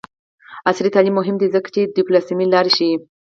عصري تعلیم مهم دی ځکه چې د ډیپلوماسۍ لارې ښيي.